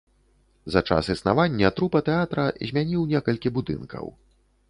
За час існавання трупа тэатра змяніў некалькі будынкаў.